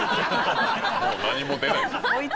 もう何も出ない。